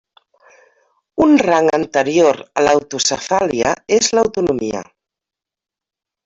Un rang anterior a l'autocefàlia és l'autonomia.